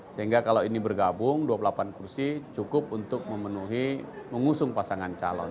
sehingga kalau ini bergabung dua puluh delapan kursi cukup untuk memenuhi mengusung pasangan calon